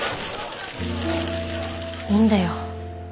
いいんだよ。